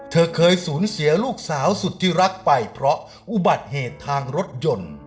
เธอเคยสูญเสียลูกสาวสุดที่รักไปเพราะอุบัติเหตุทางรถยนต์